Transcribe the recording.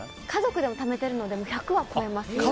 家族でもためているので１００は超えています。